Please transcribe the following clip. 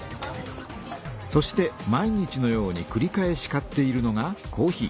そして毎日のようにくり返し買っているのがコーヒー。